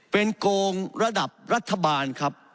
เป็นโกงระดับรัฐบาลครับ